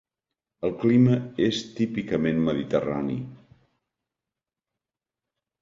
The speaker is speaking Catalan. El clima és típicament mediterrani.